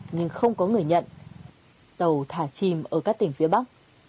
nhưng không có người nhận tàu thả chìm ở các tỉnh phía bắc